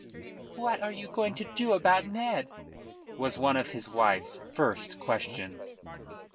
"What are you going to do about Ned?" was one of his wife's first questions.